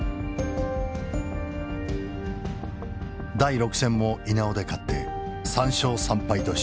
第６戦も稲尾で勝って３勝３敗とし